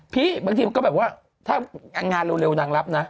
บางทีมันก็แบบว่าถ้างานเร็วนางรับนะ